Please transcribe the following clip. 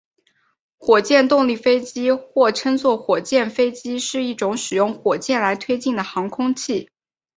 火箭动力飞机或称作火箭飞机是一种使用火箭来推进的航空器。